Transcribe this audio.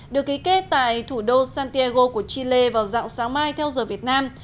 được ký kết tại thủ đô santiago của chile vào dạng sáng mai theo giờ việt nam